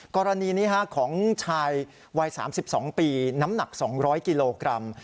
กรณีนี้ของชายวัย๓๒ปีน้ำหนัก๒๐๐กิโลกรัม